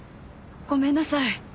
ごめんなさい。